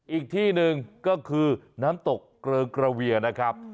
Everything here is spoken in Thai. อีกที่หนึ่งก็คือน้ำตกเกริงกระเวียนะครับ